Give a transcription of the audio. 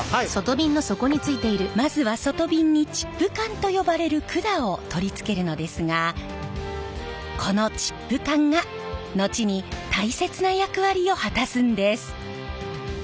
まずは外びんにチップ管と呼ばれる管を取り付けるのですがこのチップ管が後に大切な役割を果たすんです！